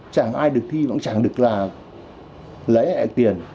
chẳng ai được thi chẳng được lấy tiền